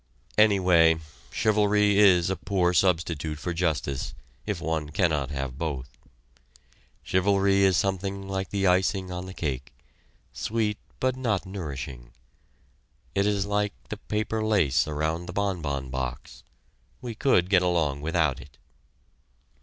Anyway, chivalry is a poor substitute for justice, if one cannot have both. Chivalry is something like the icing on the cake, sweet but not nourishing. It is like the paper lace around the bonbon box we could get along without it.